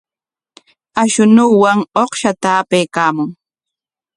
Ashunuwan uqshata apaykaamun.